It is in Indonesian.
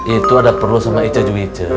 itu ada perlu sama ica juwice